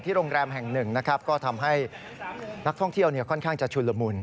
โรงแรมแห่งหนึ่งนะครับก็ทำให้นักท่องเที่ยวค่อนข้างจะชุนละมุน